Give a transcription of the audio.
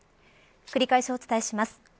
繰り返しお伝えします。